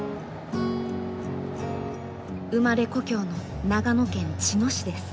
生まれ故郷の長野県茅野市です。